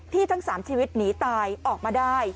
ทั้ง๓ชีวิตหนีตายออกมาได้